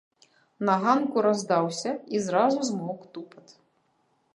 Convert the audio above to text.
На ганку раздаўся і зразу змоўк тупат.